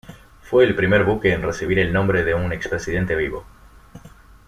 Fue el primer buque en recibir el nombre de un expresidente vivo.